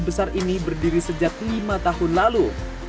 besar ini berdiri sejak lima tahun lalu